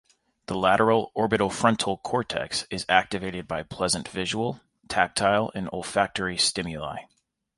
The lateral orbitofrontal cortex is activated by pleasant visual, tactile, and olfactory stimuli.